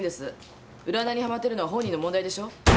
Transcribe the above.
占いにはまってるのは本人の問題でしょ？